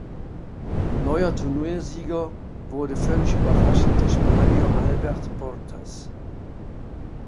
Neuer Turniersieger wurde völlig überraschend der Spanier Albert Portas.